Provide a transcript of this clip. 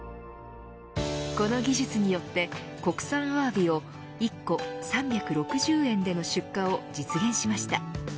この技術によって国産アワビを１個３６０円での出荷を実現しました。